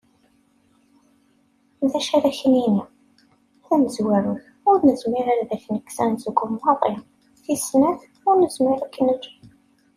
D acu ara ak-nini? Tamezwarut, ur nezmir ad ak-nekkes anezgum maḍi, tis snat, ur nezmir ad k-neǧǧ.